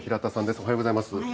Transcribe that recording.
おはようございます。